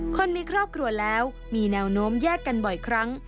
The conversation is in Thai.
คนมีครอบครัวแล้วมีแนวโน้มแยกกันบ่อยครั้ง